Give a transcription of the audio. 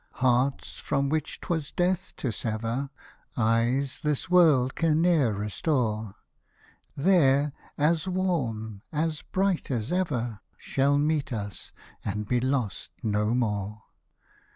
Hearts, from which 'twas death to sever, Eyes, this world can ne'er restore. There, as warm, as bright as ever, Shall meet us and be lost no more.